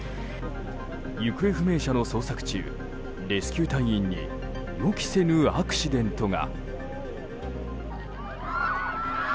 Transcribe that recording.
行方不明者の捜索中レスキュー隊員に予期せぬアクシデントが。